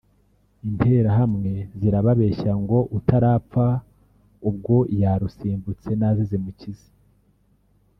Interahamwe zirababeshya ngo utarapfa ubwo yarusimbutse naze zimukize